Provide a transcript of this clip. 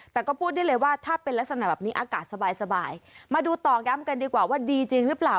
แต่ก็พูดได้เลยว่าถ้าเป็นลักษณะแบบนี้อากาศสบายสบายมาดูต่อย้ำกันดีกว่าว่าดีจริงหรือเปล่า